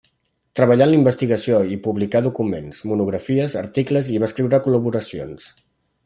Treballà en la investigació i va publicar documents, monografies, articles i va escriure col·laboracions.